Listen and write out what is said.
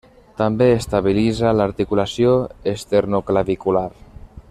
També estabilitza l'articulació esternoclavicular.